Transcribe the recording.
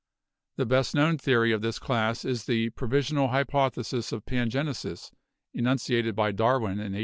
The best known theory of this class is the 'provisional hypothesis of pangenesis' enunciated by Dar win in 1868.